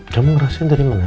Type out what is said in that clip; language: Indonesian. kamu ngerasain dari mana